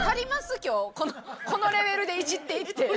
今日、このレベルでイジっていって。